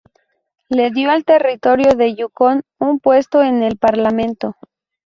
Le dio al territorio de Yukón un puesto en el Parlamento.